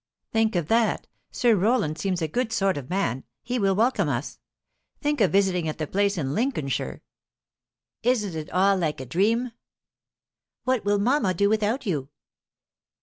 Think of that! Sir Roland seems a good sort of man; he will welcome us. Think of visiting at the 'place in Lincolnshire'! Isn't it all like a dream?" "What will mamma do without you?"